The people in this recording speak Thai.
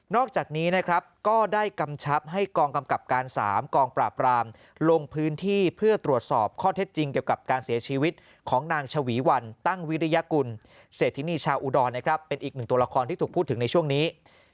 อกจากนี้นะครับก็ได้กำชับให้กองกำกับการ๓กองปราบรามลงพื้นที่เพื่อตรวจสอบข้อเท็จจริงเกี่ยวกับการเสียชีวิตของนางชวีวันตั้งวิริยกุลเศรษฐินีชาวอุดรนะครับเป็นอีกหนึ่งตัวละครที่ถูกพูดถึงในช่วงนี้